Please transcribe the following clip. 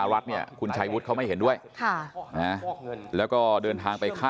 เลือกพัก